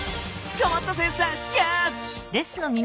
こまったセンサーキャッチ！